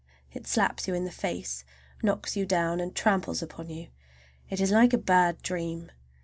It slaps you in the face, knocks you down, and tramples upon you. It is like a bad dream.